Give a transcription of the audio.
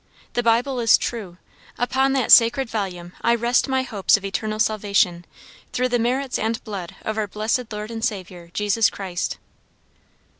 The Bible is true. Upon that sacred volume I rest my hopes of eternal salvation, through the merits and blood of our blessed Lord and Saviour, Jesus Christ."